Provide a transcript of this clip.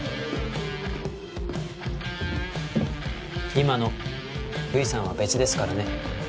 今のルイさんは別ですからね。